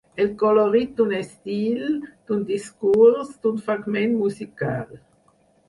El colorit d'un estil, d'un discurs, d'un fragment musical.